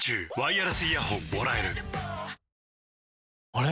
あれ？